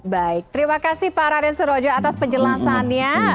baik terima kasih pak raden surojo atas penjelasannya